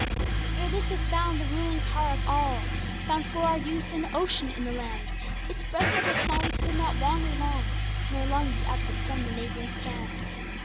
Ere this was found, the ruling power of all Found for our use an ocean in the land, Its breadth so small we could not wander long, Nor long be absent from the neighboring strand.